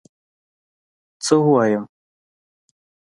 څه ووایم؟!